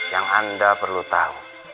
yang anda perlu tahu